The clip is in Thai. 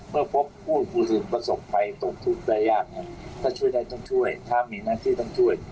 เมื่อพบผู้สูญประสงค์ไปตรงทุกระยะถ้าช่วยได้ต้องช่วยถ้ามีหน้าที่ต้องช่วย